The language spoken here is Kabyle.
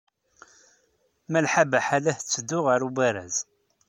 Malḥa Baḥa la tetteddu ɣer ubaraz.